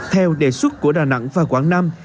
theo đề xuất của đà nẵng và quảng nam